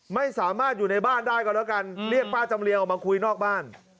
ไม่สามารถอยู่ในบ้านได้ก็แล้วกันเรียกป้าจำเรียงออกมาคุยนอกบ้าน